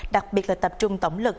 đặc biệt là tập trung tổng lực